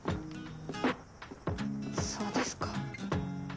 そうですか。